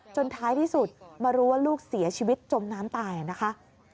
ท้ายที่สุดมารู้ว่าลูกเสียชีวิตจมน้ำตายนะคะ